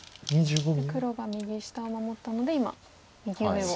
黒が右下を守ったので今右上を。